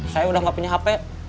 saya udah gak punya hp